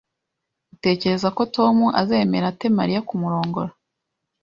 Utekereza ko Tom azemeza ate Mariya kumurongora?